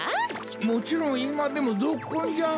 もちろんいまでもぞっこんじゃ！